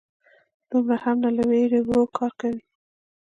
_دومره هم نه، له وېرې ورو کار کوي.